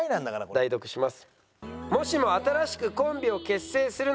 代読します。